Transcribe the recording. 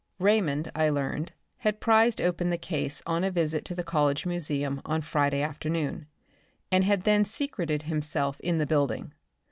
Raymond, I learned, had prized open the case on a visit to the College museum on Friday afternoon and had then secreted himself in the building.